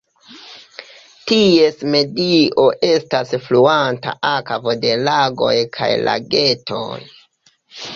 Ties medio estas fluanta akvo de lagoj kaj lagetoj.